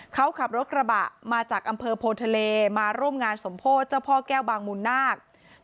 เขาขับรถกระบะมาจากอำเภอโพทะเลมาร่วมงานสมโพธิเจ้าพ่อแก้วบางมูลนาค